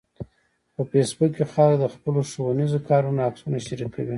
په فېسبوک کې خلک د خپلو ښوونیزو کارونو عکسونه شریکوي